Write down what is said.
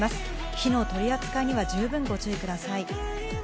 火の取り扱いには十分ご注意ください。